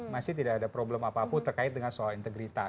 masih tidak ada problem apapun terkait dengan soal integritas